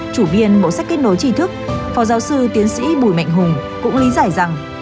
chủ biên mộ sách kết nối tri thức phò giáo sư tiến sĩ bùi mạnh hùng cũng lý giải rằng